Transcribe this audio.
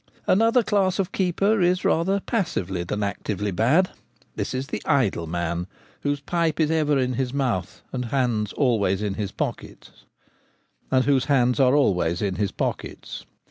Another class of keeper is rather passively than actively bad. This is the idle man, whose pipe is ever in his mouth and whose hands are always in his pockets.